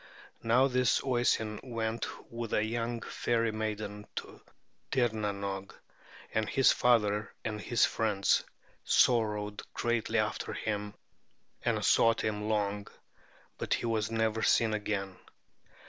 Now this Oisin went with a young fairy maiden to Tirnanoge, and his father and his friends sorrowed greatly after him and sought him long; but he was never seen again."